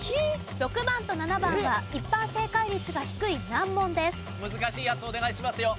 ６番と７番は一般正解率が低い難問です。